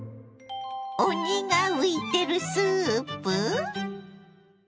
鬼が浮いてるスープ？